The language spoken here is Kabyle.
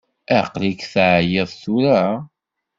Aql-ik teɛyiḍ tura?